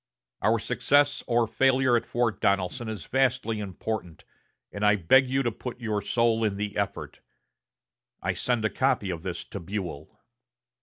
Our success or failure at Fort Donelson is vastly important, and I beg you to put your soul in the effort. I send a copy of this to Buell."